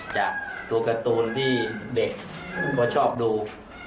จากตัวการ์ตูนที่เด็กเขาชอบดู